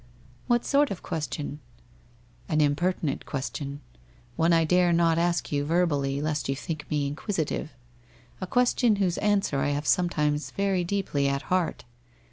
* What sort of question ?'' An impertinent question — one I dare not ask you ver bally, lest you think me inquisitive. A question whose answer I have sometimes very deeply at heart.